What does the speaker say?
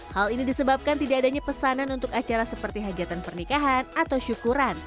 hal ini disebabkan tidak adanya pesanan untuk acara seperti hajatan pernikahan atau syukuran